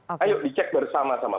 ayo dicek bersama sama